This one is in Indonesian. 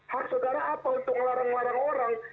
hak saudara apa untuk ngelarang ngelarang orang